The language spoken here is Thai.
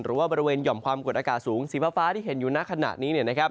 บริเวณหย่อมความกดอากาศสูงสีฟ้าที่เห็นอยู่ในขณะนี้